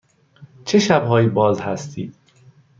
چه شب هایی باز هستید؟